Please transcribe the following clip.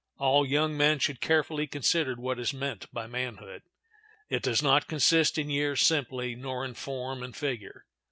All young men should carefully consider what is meant by manhood. It does not consist in years simply, nor in form and figure.